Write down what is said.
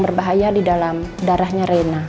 berbahaya di dalam darahnya reina